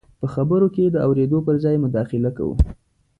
په خبرو کې د اورېدو پر ځای مداخله کوو.